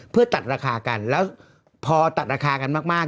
เพื่อตัดราคากันแล้วพอตัดราคากันมาก